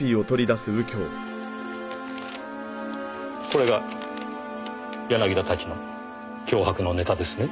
これが柳田たちの脅迫のネタですね？